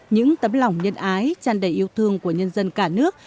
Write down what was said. những tấm lòng nhân ái chăn đầy yêu thương của nhân dân cả nước